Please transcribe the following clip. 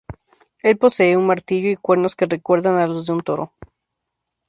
El posee un martillo y cuernos que recuerdan a los de un toro.